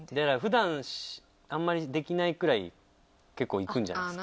普段あんまりできないくらい結構いくんじゃないですか？